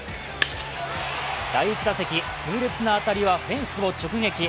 第１打席、痛烈な当たりはフェンスを直撃。